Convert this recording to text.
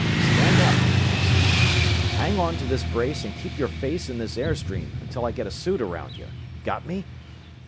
"Stand up!" he snapped. "Hang onto this brace and keep your face in this air stream until I get a suit around you! Got me?"